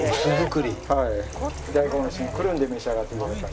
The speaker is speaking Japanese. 大根おろしをくるんで召し上がってください。